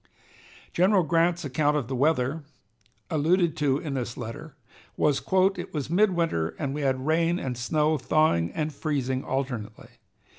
General Grant's account of the weather, alluded to in this letter, was: "It was midwinter, and we had rain and snow, thawing and freezing alternately.